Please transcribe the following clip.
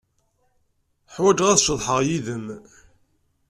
Ḥwajeɣ ad ceḍḥeɣ yid-m.